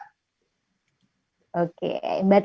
karena kalau perempuan ini sudah bisa kita pengaruhi